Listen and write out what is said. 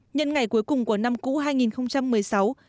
nhân ngày cuối cùng của năm cũ hai nghìn một mươi sáu